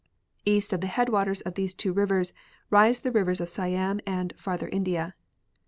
East of the head waters of these two rivers rise the rivers of Siam and Farther India.